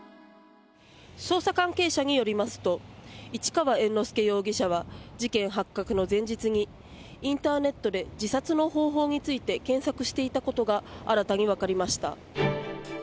捜査関係者によりますと市川猿之助容疑者は事件発覚の前日にインターネットで自殺の方法について検索していたことが新たにわかりました。